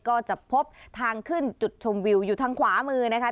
ก็จะพบทางขึ้นจุดชมวิวอยู่ทางขวามือนะคะ